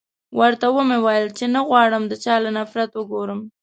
ورته و مې ويل چې نه غواړم د چا له نفرت وګورم.